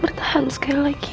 bertahan sekali lagi